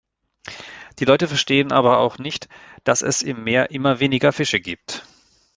Die Leute verstehen aber auch nicht, dass es im Meer immer weniger Fische gibt.